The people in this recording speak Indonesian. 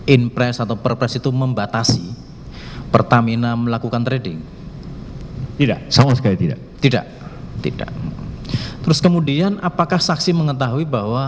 inpres atau perpres itu membatasi pertamina melakukan trading tidak sama sekali tidak tidak terus kemudian apakah saksi mengetahui bahwa